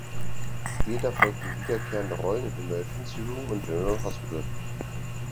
Später folgten wiederkehrende Rollen in Emergency Room und General Hospital.